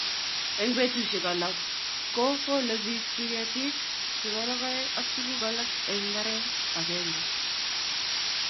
eng betushek alak ngo kole biikketiik chebo lokoek ak tukuk alak en mbaree akenge